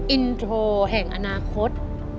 อินโทรแห่งอนาคต